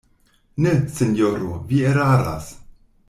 Ne, sinjoro, vi eraras.